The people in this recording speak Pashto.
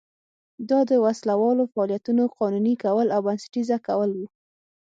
دا د وسله والو فعالیتونو قانوني کول او بنسټیزه کول و.